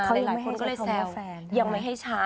เขายังไม่ให้ใช้